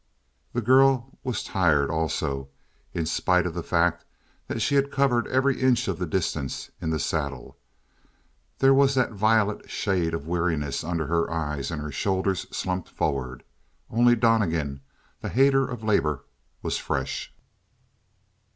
The girl was tired, also, in spite of the fact that she had covered every inch of the distance in the saddle. There was that violet shade of weariness under her eyes and her shoulders slumped forward. Only Donnegan, the hater of labor, was fresh.